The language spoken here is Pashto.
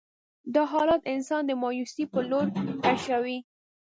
دا حالات انسان د مايوسي په لور کشوي.